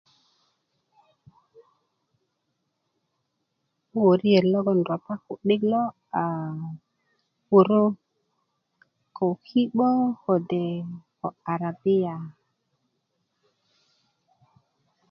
wöriyet logoŋ ropa ku'dik lo aa wörö ko ki'bo kode' ko arabiya